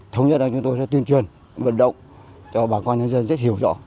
thống nhất là chúng tôi sẽ tuyên truyền vận động cho bà con dân dân rất hiểu rõ